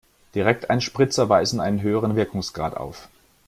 Direkteinspritzer weisen einen höheren Wirkungsgrad auf.